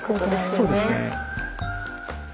そうですね。